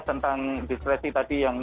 tentang diskreti tadi yang